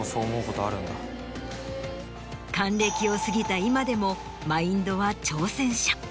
還暦を過ぎた今でもマインドは挑戦者。